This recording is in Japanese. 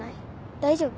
大丈夫？